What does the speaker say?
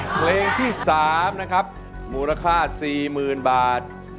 เพลงที่๓นะครับมูลค่า๔๐๐๐บาท